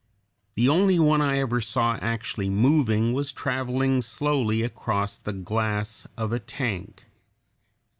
The only one I ever saw actually moving was traveling slowly across the glass of a tank.